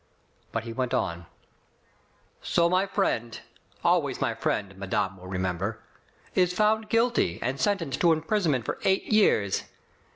But he went on : So my friend — always my friend, madame will remember — is found guilty and sentenced to imprisonment for eight years.